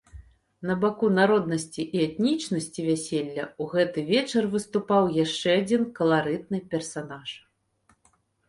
На баку народнасці і этнічнасці вяселля ў гэты вечар выступаў яшчэ адзін каларытны персанаж.